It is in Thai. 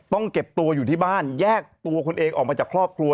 เก็บตัวอยู่ที่บ้านแยกตัวคุณเองออกมาจากครอบครัว